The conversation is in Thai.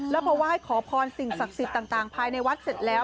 แล้วพอไหว้ขอพรสิ่งศักดิ์สิทธิ์ต่างภายในวัดเสร็จแล้ว